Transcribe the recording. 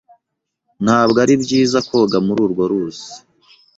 Ntabwo ari byiza koga muri urwo ruzi.